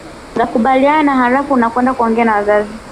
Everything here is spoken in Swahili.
Mkakubaliana halafu unakwenda kuongea na wazazi